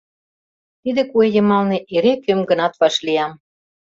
— Тиде куэ йымалне эре кӧм-гынат вашлиям.